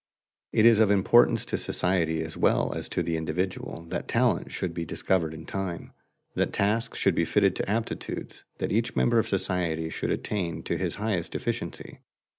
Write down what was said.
It is of importance to society as well as to the individual that talent should be discovered in time, that tasks should be fitted to aptitudes, that each member of society should attain to his highest efficiency.